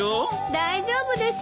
大丈夫です。